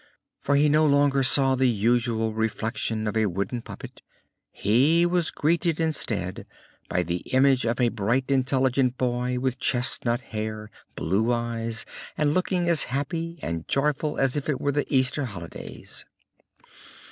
For he no longer saw the usual reflection of a wooden puppet; he was greeted instead by the image of a bright, intelligent boy with chestnut hair, blue eyes, and looking as happy and joyful as if it were the Easter holidays.